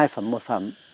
hai phẩm một phẩm